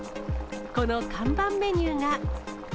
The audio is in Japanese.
この看板メニューが。